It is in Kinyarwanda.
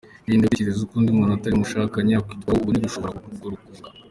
Irinde gutekereza uko undi muntu utari uwo mwashakanye akwitwaraho ubona gushobora kugukurura.